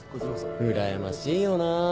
うらやましいよな。